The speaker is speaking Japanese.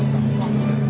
そうです。